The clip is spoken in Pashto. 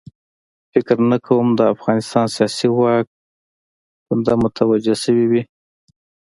فکر نه کوم د افغانستان سیاسي واک کونډه متوجه شوې وي.